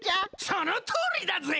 そのとおりだぜ！